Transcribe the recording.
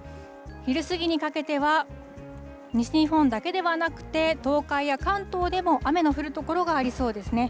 昼過ぎにかけては、西日本だけではなくて、東海や関東でも、雨の降る所がありそうですね。